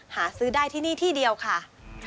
หาซื้อได้ที่นี่ที่เดียวค่ะ